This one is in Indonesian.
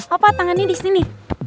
apa tangannya disini